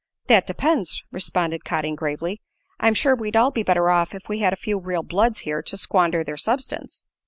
"That depends," responded Cotting, gravely. "I'm sure we'd all be better off if we had a few real bloods here to squander their substance."